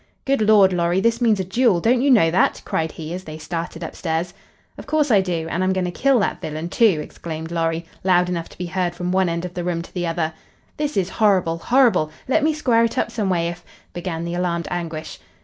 "Good Lord, Lorry; this means a duel! Don't you know that?" cried he, as they started upstairs. "Of course, I do. And I'm going to kill that villain, too," exclaimed Lorry, loud enough to be heard from one end of the room to the other. "This is horrible, horrible! Let me square it up some way if " began the alarmed Anguish.